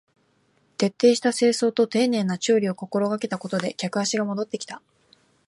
徹底した清掃と丁寧な調理を心がけたことで客足が戻ってきた